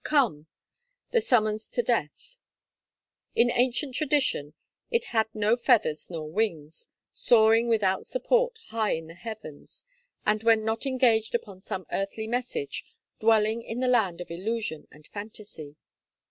come!' the summons to death. In ancient tradition, it had no feathers nor wings, soaring without support high in the heavens, and, when not engaged upon some earthly message, dwelling in the land of illusion and phantasy.